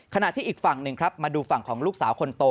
ขณะที่อีกฝั่งหนึ่งครับมาดูฝั่งของลูกสาวคนโต